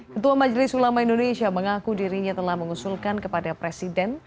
ketua majelis ulama indonesia mengaku dirinya telah mengusulkan kepada presiden